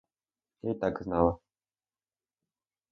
Я так і знала!